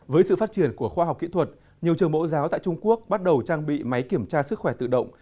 với sự phát triển của khoa học kỹ thuật nhiều trường mẫu giáo tại trung quốc bắt đầu trang bị máy kiểm tra sức khỏe tự động